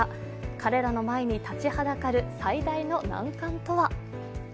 彼らの前に立ちはだかる最大の難関とは？